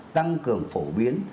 tăng cường phổ biến